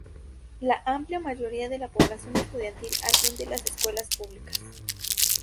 La amplia mayoría de la población estudiantil atiende las escuelas públicas.